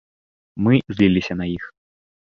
Мы зліліся на іх.